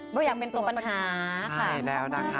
บวยหยากเป็นตัวปัญหา